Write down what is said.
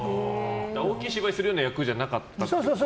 大きい芝居するような役じゃなかったっていう。